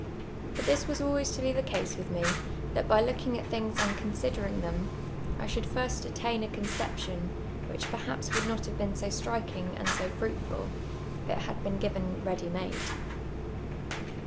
But this was always to be the case with me, that by lookinj; at thin;::s and consi(lerin«>: them, I sliould Hrst attain a coneei)tion, wliich j)erhaj)s would not have been so strikinL; and so fruitful, if it had been given ready made.